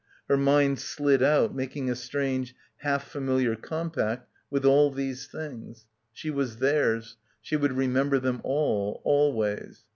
Her mind slid out making a strange half familiar compact with all these — 237 — PILGRIMAGE things. She was theirs, she would remember them all, always.